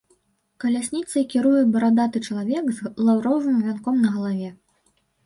Калясніцай кіруе барадаты чалавек з лаўровым вянком на галаве.